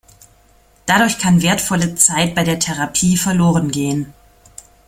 Dadurch kann wertvolle Zeit bei der Therapie verloren gehen.